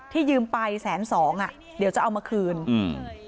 ยืมไปแสนสองอ่ะเดี๋ยวจะเอามาคืนอืม